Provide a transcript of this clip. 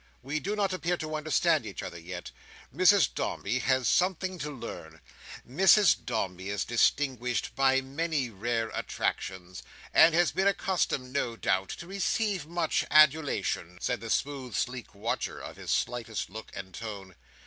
We do not appear to understand each other yet. Mrs Dombey has something to learn." "Mrs Dombey is distinguished by many rare attractions; and has been accustomed, no doubt, to receive much adulation," said the smooth, sleek watcher of his slightest look and tone.